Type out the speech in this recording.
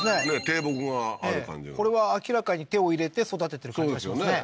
低木がある感じがこれは明らかに手を入れて育ててる感じがしますね